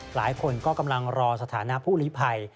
หลายคนก็กำลังรอสถานะผู้ลิภัย